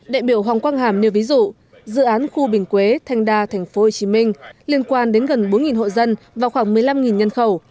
đại biểu hoàng quang hàm nêu ví dụ dự án khu bình quế thanh đa tp hcm liên quan đến gần bốn hộ dân và khoảng một mươi năm nhân khẩu